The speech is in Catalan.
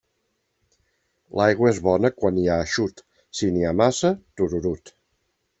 L'aigua és bona quan hi ha eixut; si n'hi ha massa, tururut.